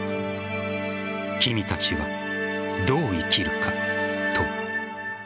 「君たちはどう生きるか」と。